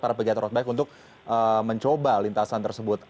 para pegiat road bike untuk mencoba lintasan tersebut